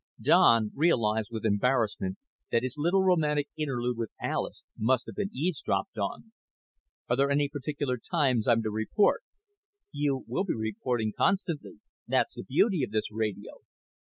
Don realized with embarrassment that his little romantic interlude with Alis must have been eavesdropped on. "Are there any particular times I'm to report?" "You will be reporting constantly. That's the beauty of this radio."